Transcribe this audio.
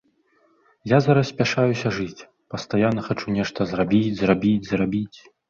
Я зараз спяшаюся жыць, пастаянна хачу нешта зрабіць, зрабіць, зрабіць.